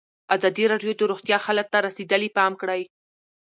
ازادي راډیو د روغتیا حالت ته رسېدلي پام کړی.